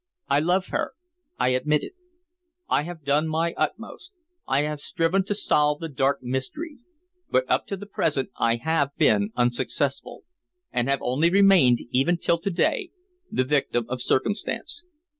I love her I admit it. I have done my utmost: I have striven to solve the dark mystery, but up to the present I have been unsuccessful, and have only remained, even till to day, the victim of circumstance."